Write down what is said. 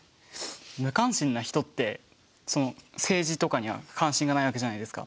無関心な人ってその政治とかには関心がないわけじゃないですか。